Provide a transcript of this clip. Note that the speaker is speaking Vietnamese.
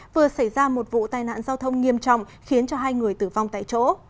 vừa xảy ra một vụ tai nạn giao thông nghiêm trọng khiến hai người tử vong tại chỗ